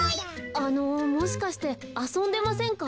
あのもしかしてあそんでませんか？